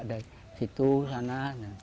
di situ di sana